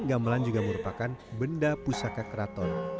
gamelan juga merupakan benda pusaka keraton